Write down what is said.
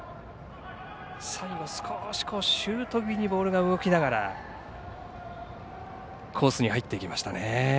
最後、少しシュート気味にボールが動きながらコースに入っていきましたね。